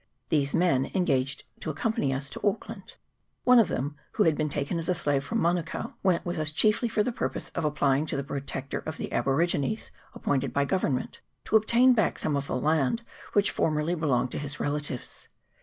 These men engaged to accom pany us to Auckland. One of them, who had been taken as a slave from Manukao, went with us chiefly for the purpose of applying to the Protector of the Aborigines appointed by Government, to obtain back some of the land which formerly belonged to his relatives.